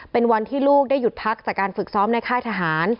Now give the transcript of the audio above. เป็นวันที่ลูกได้หยุดพักจากการฝึกซ้อมในค่ายทหาร